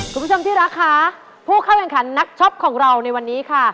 คุณผู้ชมที่รักค่ะผู้เข้าแข่งขันนักช็อปของเราในวันนี้ค่ะ